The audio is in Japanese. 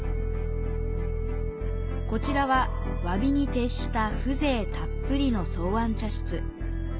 こちらは、わびに徹した風情たっぷりの草庵茶室。